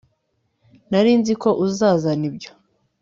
nari nzi ko uzazana ibyo